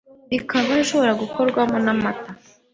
ikaba ishobora gukorwamo n’amata